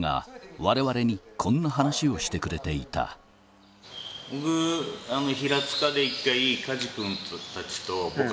我々にこんな話をしてくれていた僕あのうん